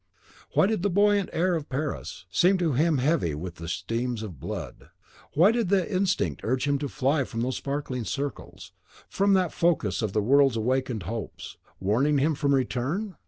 Why did the buoyant air of Paris seem to him heavy with the steams of blood; why did an instinct urge him to fly from those sparkling circles, from that focus of the world's awakened hopes, warning him from return?